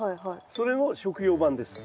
それの食用版です。